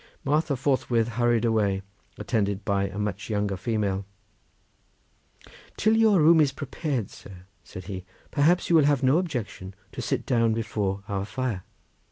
Martha forthwith hurried away, attended by a much younger female. "Till your room is prepared, sir," said he, "perhaps you will have no objection to sit down before our fire?"